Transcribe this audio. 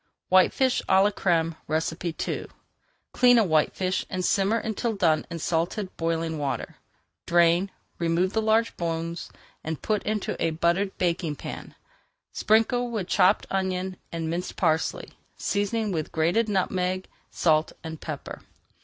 WHITEFISH À LA CRÈME II Clean a whitefish and simmer until done in salted, boiling water. Drain, remove the large bones. Put into a buttered baking pan, sprinkle with chopped onion and minced parsley, seasoning with grated nutmeg, salt, and pepper.